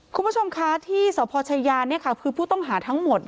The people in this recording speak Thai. คุณผู้ชมคะที่สพชายาคือผู้ต้องหาทั้งหมด